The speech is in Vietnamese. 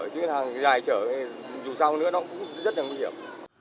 chứ hàng dài chở thì dù sao nữa nó cũng rất là nguy hiểm